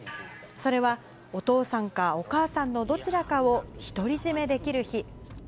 それは、お父さんかお母さんのどちらかを独り占めできる日。